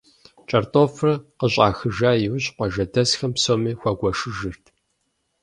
Кӏэртӏофыр къыщӏахыжа иужь, къуажэдэсхэм псоми хуагуэшыжырт.